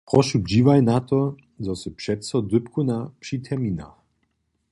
Prošu dźiwaj na to, zo sy přeco dypkowna při terminach.